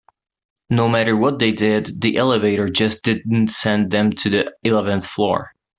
No matter what they did, the elevator just didn't send them to the eleventh floor.